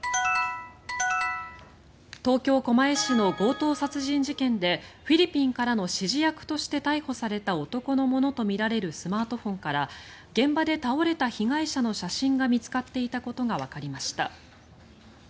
東京・狛江市の強盗殺人事件でフィリピンからの指示役として逮捕された男のものとみられるスマートフォンから現場で倒れた被害者の写真が見つかっていたことがわかりました。